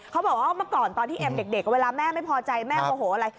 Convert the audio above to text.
เขาบอกว่าเมื่อก่อนตอนที่เอ็มเด็กเวลาแม่ไม่พอใจแม่โมโหอะไร